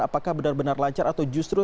apakah benar benar lancar atau justru